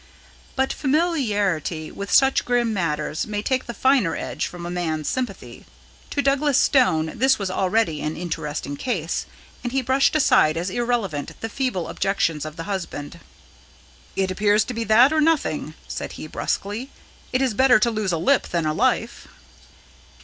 But familiarity with such grim matters may take the finer edge from a man's sympathy. To Douglas Stone this was already an interesting case, and he brushed aside as irrelevant the feeble objections of the husband. "It appears to be that or nothing," said he brusquely. "It is better to lose a lip than a life."